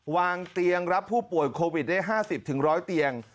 วางเตียงรับผู้ป่วยโควิดได้๕๐๑๐๐เตียง